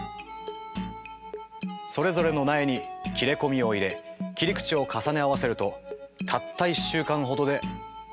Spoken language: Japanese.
それぞれの苗に切れ込みを入れ切り口を重ね合わせるとたった１週間ほどで。